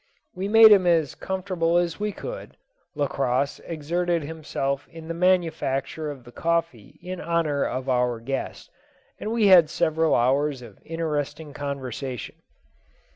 We made him as comfortable as we could; Lacosse exerted himself in the manufacture of the coffee in honour of our guest, and we had several hours of interesting conversation.